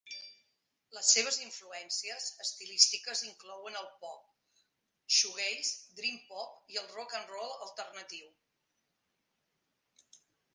Les seves influències estilístiques inclouen el pop, shoegaze, dream pop i el rock and roll alternatiu.